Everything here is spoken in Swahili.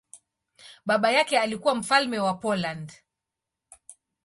Baba yake alikuwa mfalme wa Poland.